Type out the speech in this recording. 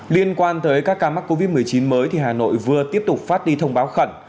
liên quan tới các ca mắc covid một mươi chín mới thì hà nội vừa tiếp tục phát đi thông báo khẩn